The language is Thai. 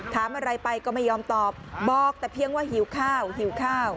ถามอะไรไปก็ไม่ยอมตอบบอกแต่เพียงว่าหิวข้าวหิวข้าว